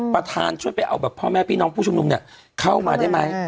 ประธานช่วยไปเอาแบบพ่อแม่พี่น้องผู้ชุมนุมเนี่ยเข้ามาได้ไหม